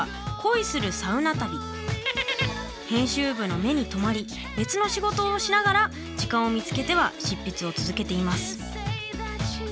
編集部の目に留まり別の仕事もしながら時間を見つけては執筆を続けています。